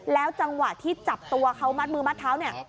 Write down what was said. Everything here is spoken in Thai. จังหวะที่จับตัวเขามัดมือมัดเท้าเนี่ย